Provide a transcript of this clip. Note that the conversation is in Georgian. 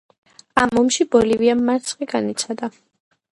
ამ ომში ბოლივიამ მარცხი განიცადა.